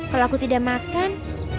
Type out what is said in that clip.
kalau aku tidak makan